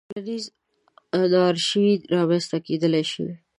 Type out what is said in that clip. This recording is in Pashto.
ټولنیزه انارشي رامنځته کېدای شي.